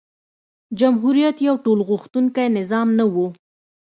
جمهوریت یو ټولغوښتونکی نظام نه و.